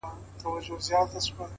خو دې به سمعې څو دانې بلــــي كړې!!